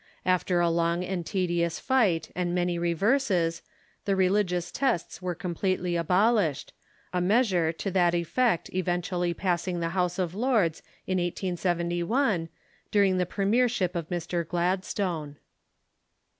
After a long and tedious fight and many reverses, the religious tests were completely abolished, a meas ure to that effect eventually passing the House of Lords in 1S71, during the premiership of Mr, Gladstone.